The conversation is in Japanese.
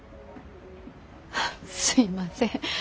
フッすいません。